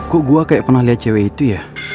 kok gue kayak pernah lihat cewek itu ya